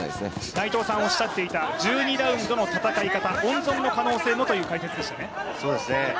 内藤さんおっしゃっていた１２ラウンドの戦い方、温存の可能性もという戦い方ですね。